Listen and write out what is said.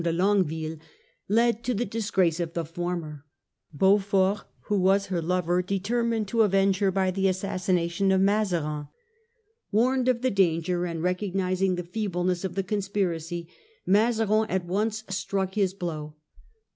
de Longueville, led to the disgrace of the former. Beaufort, who was her lover, determined to avenge her by the assassination of Mazarin. Warned of the danger, and recognising the feebleness of the conspiracy, Mazarin at once struck his 20 Prelude to the Fronde. 1644 blow.